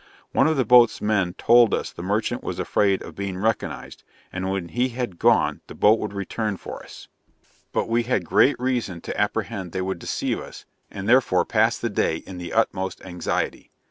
One of the boat's men told us the merchant was afraid of being recognized, and when he had gone the boat would return for us; but we had great reason to apprehend they would deceive us, and therefore passed the day in the utmost anxiety.